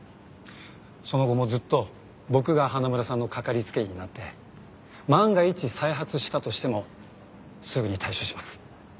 その後もずっと僕が花村さんのかかりつけ医になって万が一再発したとしてもすぐに対処します。